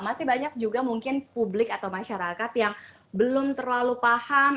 masih banyak juga mungkin publik atau masyarakat yang belum terlalu paham